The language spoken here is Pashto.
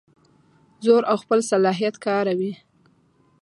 زور او خپل صلاحیت کاروي.